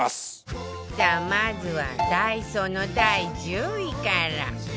さあまずは ＤＡＩＳＯ の第１０位から